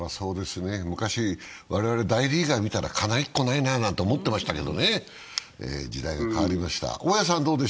昔、我々、大リーガー見たらかないっこないなと思ってましたが、時代が変わりました。